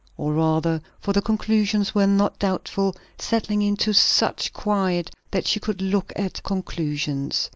Or rather, for the conclusions were not doubtful, settling into such quiet that she could look at conclusions.